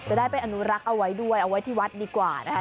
จะได้ไปอนุรักษ์เอาไว้ด้วยเอาไว้ที่วัดดีกว่านะคะ